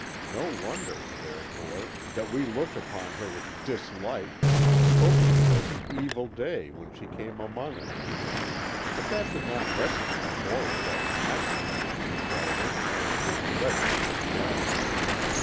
No wonder, therefore, that we looked upon her with dislike, and spoke of it as an evil day when she came among us; but that did not lessen our horror at an accident which befell her, and which led to her death.